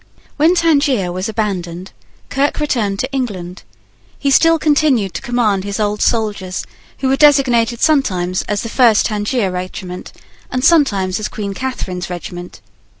When Tangier was abandoned, Kirke returned to England. He still continued to command his old soldiers, who were designated sometimes as the First Tangier Regiment, and sometimes as Queen Catharine's Regiment.